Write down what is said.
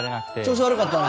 調子悪かったんだ。